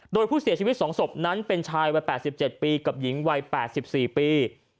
โดยผู้เสียชีวิต๒ศพนั้นเป็นชายวัย๘๗ปีกับหญิงวัย๘๔ปี